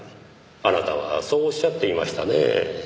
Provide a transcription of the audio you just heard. あなたはそうおっしゃっていましたねぇ。